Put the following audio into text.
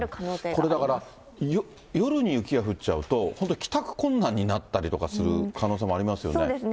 これ、だから、夜に雪が降っちゃうと、本当に帰宅困難になったりとかする可能性もありますよね。